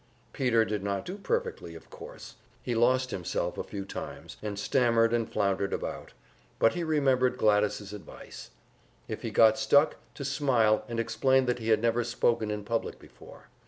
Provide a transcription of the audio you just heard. Peter did not do perfectly, of course. He lost himself a few times, and stammered and floundered about; but he remembered Glady's advice if he got stuck, to smile and explain that he had never spoken in public before.